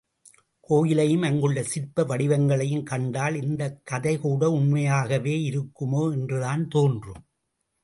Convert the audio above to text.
கோயிலையும் அங்குள்ள சிற்ப வடிவங்களையும் கண்டால் இந்தக் கதை கூட உண்மையாகவே இருக்குமோ என்றுதான் தோன்றும்.